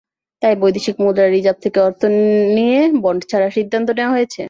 তাই বৈদেশিক মুদ্রার রিজার্ভ থেকে অর্থ নিয়ে বন্ড ছাড়ার সিদ্ধান্ত নেওয়া হয়েছে।